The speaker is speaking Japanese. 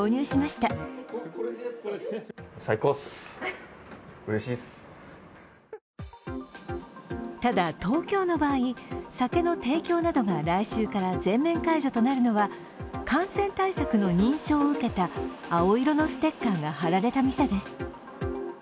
ただ東京の場合、酒の提供などが来週から全面解除となるのは感染対策の認証を受けた青色のステッカーが貼られた店です。